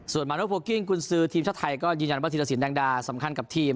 มาโนโพลกิ้งกุญซือทีมชาติไทยก็ยืนยันว่าธีรสินแดงดาสำคัญกับทีม